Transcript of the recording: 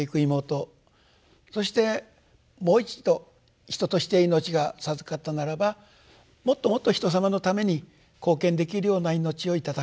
そしてもう一度人として命が授かったならばもっともっと人様のために貢献できるような命を頂きたい。